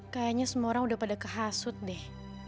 kayaknya semua orang udah pada kehasut deh